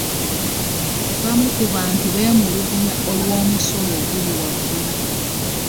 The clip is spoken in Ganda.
Abamu ku bantu bemulugunya olw'omusolo oguli waggulu.